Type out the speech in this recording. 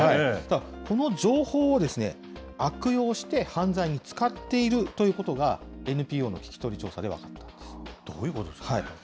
この情報を悪用して、犯罪に使っているということがＮＰＯの聞き取り調査で分かったんどういうことですかね。